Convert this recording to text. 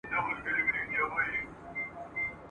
خو چي راغلې دې نړۍ ته د جنګونو پراخ میدان ته !.